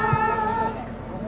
tujuan di dalam musim migrasi